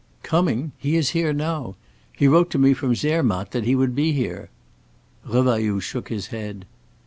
"Coming? He is here now. He wrote to me from Zermatt that he would be here." Revailloud shook his head.